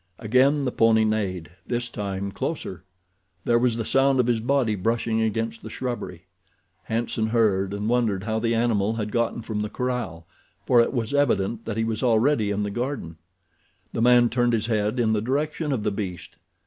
Again the pony neighed—this time closer. There was the sound of his body brushing against shrubbery. Hanson heard and wondered how the animal had gotten from the corral, for it was evident that he was already in the garden. The man turned his head in the direction of the beast.